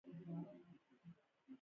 لاک د عادلانه حکومت فلسفه جوړه کړه.